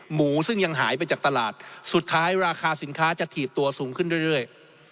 หมูซึ่งยังหายไปจากตลาดสุดท้ายราคาสินค้าจะถีบตัวสูงขึ้นเรื่อย